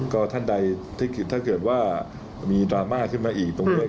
ก็ท่านใดที่ผิดถ้าเกิดว่ามีดราม่าขึ้นมาอีกตรงนี้